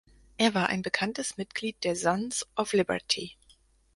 Er war ein bekanntes Mitglied der Sons of Liberty.